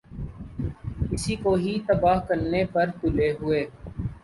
اسی کو ہی تباہ کرنے پر تلے ہوۓ ۔